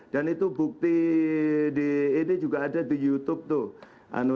dan itu bukti ini juga ada di youtube tuh